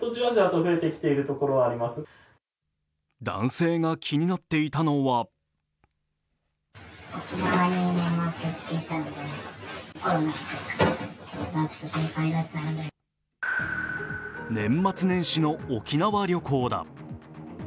男性が気になっていたのは年末年始の沖縄旅行だ。